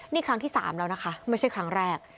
นี่ครั้งที่๓แล้วนะคะไม่ใช่ครั้งแรก